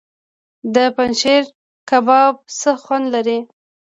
د پنجشیر کبان څه خوند لري؟